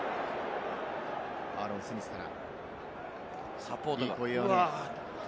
アーロン・スミスから。